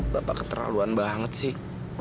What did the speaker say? bapak keterlaluan banget sih